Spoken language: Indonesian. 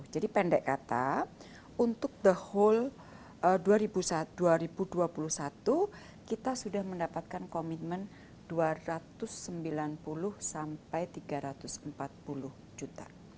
pendek kata untuk the whole dua ribu dua puluh satu kita sudah mendapatkan komitmen dua ratus sembilan puluh sampai tiga ratus empat puluh juta